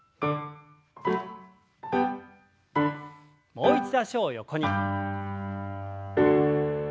もう一度脚を横に。